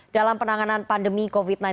dalam penanganan pandemi covid sembilan belas